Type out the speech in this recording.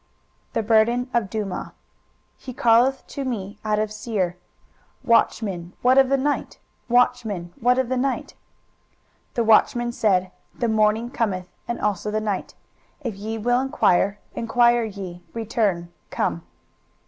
23:021:011 The burden of Dumah. He calleth to me out of Seir, Watchman, what of the night? Watchman, what of the night? 23:021:012 The watchman said, The morning cometh, and also the night: if ye will enquire, enquire ye: return, come.